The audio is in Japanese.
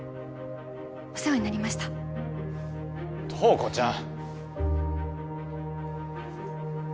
お世話になりました塔子ちゃん！